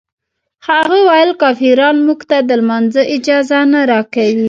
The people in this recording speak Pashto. هغه ویل کافران موږ ته د لمانځه اجازه نه راکوي.